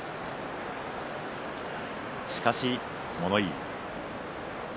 しかし物言い。